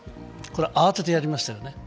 慌ててやりましたよね。